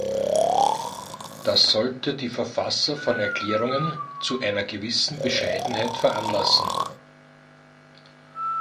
Das sollte die Verfasser von Erklärungen zu einer gewissen Bescheidenheit veranlassen.